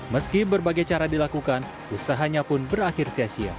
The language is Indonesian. meski berbagai cara dilakukan usahanya pun berakhir sia sia